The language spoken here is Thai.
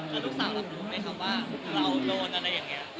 แล้วลูกสาวรับรู้ไหมคะว่าเราโดนอะไรอย่างนี้